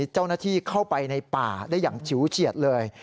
เจ้าหน้าที่เข้าไปในป่าได้อย่างฉิวเฉียดเลย